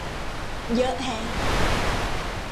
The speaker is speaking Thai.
เยอะแฮะ